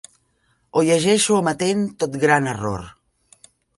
O llegeixo amatent tot gran error.